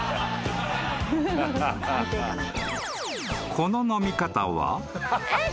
［この飲み方は］